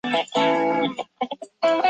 在中国大陆由万卷出版公司发行。